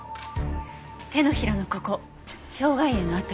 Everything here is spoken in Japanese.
手のひらのここ掌外沿の跡よ。